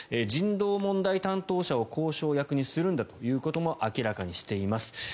人道問題担当者を交渉役にするんだということも明らかにしています。